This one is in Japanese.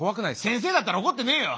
先生だったら怒ってねえよ！